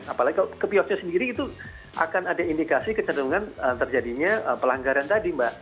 apalagi ke kiosnya sendiri itu akan ada indikasi kecenderungan terjadinya pelanggaran tadi mbak